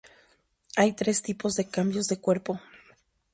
Hay tres tipos de cambios de cuerpo.